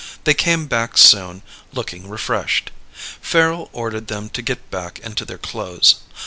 They came back soon, looking refreshed. Farrel ordered them to get back into their clothes.